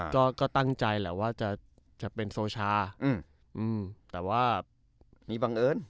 ก็ก็ตั้งใจแหละว่าจะจะเป็นโซชาอืมแต่ว่ามีบังเอิญ